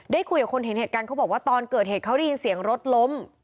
คุยกับคนเห็นเหตุการณ์เขาบอกว่าตอนเกิดเหตุเขาได้ยินเสียงรถล้ม